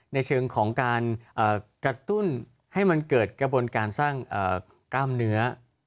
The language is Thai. ในเชิงของการกระตุ้นให้มันเกิดกระบวนการสร้างกล้ามเนื้อ